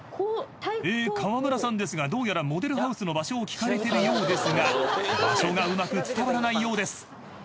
［川村さんですがどうやらモデルハウスの場所を聞かれているようですが場所がうまく伝わらないようです］